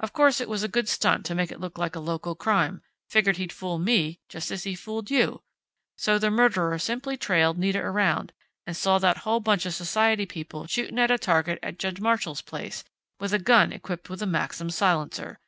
Of course it was a good stunt to make it look like a local crime figured he'd fool me just as he fooled you! So the murderer simply trailed Nita around, and saw that whole bunch of society people shooting at a target at Judge Marshall's place, with a gun equipped with a Maxim silencer.